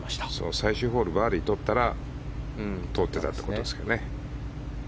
最終ホールでバーディーをとったら通っていたということですかね。